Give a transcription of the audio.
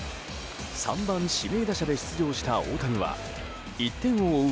３番指名打者で出場した大谷は１点を追う